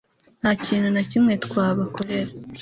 Nta kintu na kimwe twabakorera